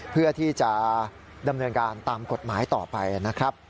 เพื่อที่จะดำเนินการตามกฎหมายต่อไปนะครับ